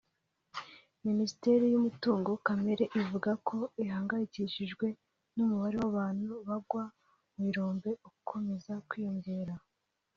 Minisiteri y’Umutungo Kamere ivuga ko ihangayikishijwe n’umubare w’abantu bagwa mu birombe ukomeza kwiyongera